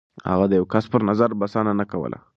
هغه د يو کس پر نظر بسنه نه کوله.